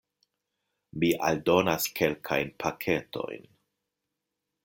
Mi aldonas kelkajn paketojn: